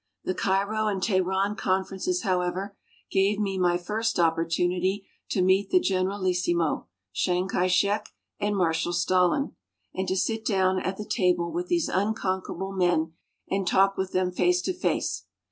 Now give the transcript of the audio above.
The Cairo and Teheran conferences, however, gave me my first opportunity to meet the Generalissimo, Chiang Kai shek, and Marshal Stalin and to sit down at the table with these unconquerable men and talk with them face to face.